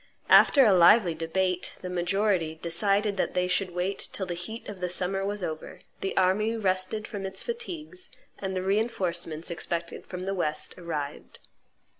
After a lively debate, the majority decided that they should wait till the heat of summer was over, the army rested from its fatigues, and the reinforcements expected from the West arrived.